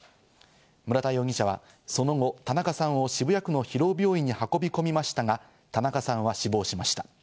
村田容疑者はその後、田中さんを渋谷区の広尾病院に運び込みましたが、田中さんは死亡しました。